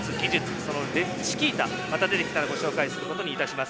そのチキータ、出てきたらご紹介することにいたします。